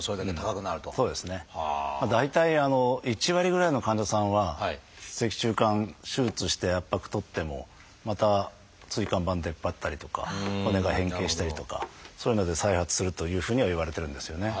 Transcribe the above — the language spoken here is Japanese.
大体１割ぐらいの患者さんは脊柱管手術をして圧迫取ってもまた椎間板出っ張ったりとか骨が変形したりとかそういうので再発するというふうにはいわれてるんですよね。